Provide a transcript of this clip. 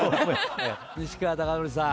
西川貴教さん